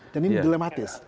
dan ini dilematis